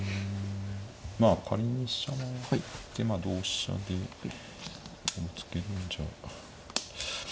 まあ仮に飛車回ってまあ同飛車でぶつけるんじゃ。